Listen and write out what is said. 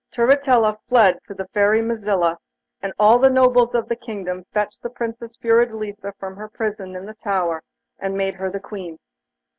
Turritella fled to the Fairy Mazilla, and all the nobles of the kingdom fetched the Princess Fiordelisa from her prison in the tower, and made her Queen.